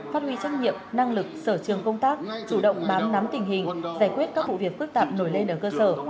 phát huy trách nhiệm năng lực sở trường công tác chủ động bám nắm tình hình giải quyết các vụ việc phức tạp nổi lên ở cơ sở